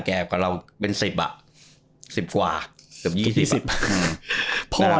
กับเราเป็น๑๐อ่ะสิบกว่าเกือบ๒๐อ่ะ